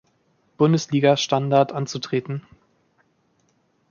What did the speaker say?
Bundesliga Standard anzutreten.